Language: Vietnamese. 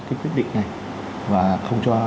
cái quyết định này và không cho